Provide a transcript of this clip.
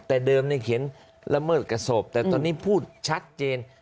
แต่เดิมเนี่ยเขียนละเมิดกระทำต่อศพแต่ตอนนี้พูดชัดเจน